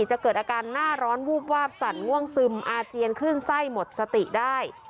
จะเกิดอาการหน้าร้อนวูบวาบสั่นง่วงซึมอาเจียนคลื่นไส้หมดสติได้